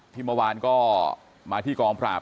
ที่เมื่อวานก็มาที่กองปราบ